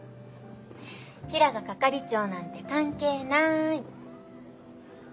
平賀係長なんて関係なーい。